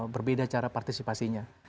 berbeda cara partisipasinya